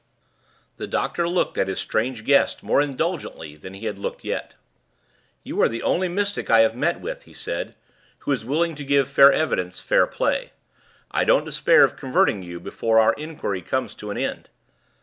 The doctor looked at his strange guest more indulgently than he had looked yet. "You are the only mystic I have met with," he said, "who is willing to give fair evidence fair play. I don't despair of converting you before our inquiry comes to an end.